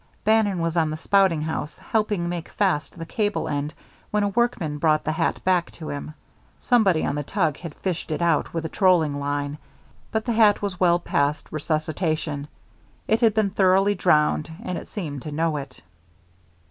Bannon was up on the spouting house, helping make fast the cable end when a workman brought the hat back to him. Somebody on the tug had fished it out with a trolling line. But the hat was well past resuscitation. It had been thoroughly drowned, and it seemed to know it.